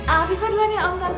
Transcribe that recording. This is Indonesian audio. afifah duluan ya om tante